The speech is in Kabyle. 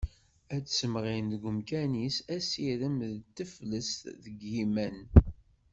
Ad ssemɣin deg umkan-is asirem d teflest deg yiman.